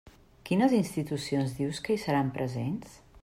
Quines institucions dius que hi seran presents?